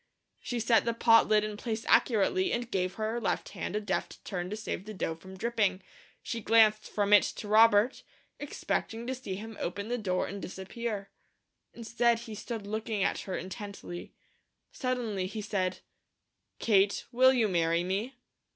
She set the pot lid in place accurately and gave her left hand a deft turn to save the dough from dripping. She glanced from it to Robert, expecting to see him open the door and disappear. Instead he stood looking at her intently. Suddenly he said: "Kate, will you marry me?"